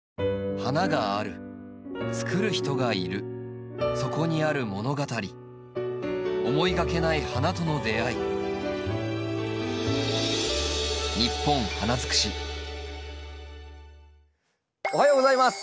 花があるつくる人がいるそこにある物語思いがけない花との出会いおはようございます。